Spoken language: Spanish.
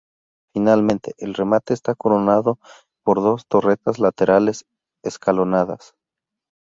Finalmente, el remate está coronado por dos torretas laterales, escalonadas.